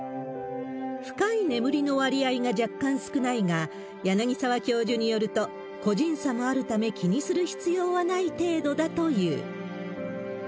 深い眠りの割合が若干少ないが、柳沢教授によると、個人差もあるため、気にする必要はない程度だという。